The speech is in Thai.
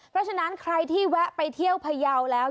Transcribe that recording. เพราะฉะนั้นใครที่แวะไปเที่ยวพยาวแล้ว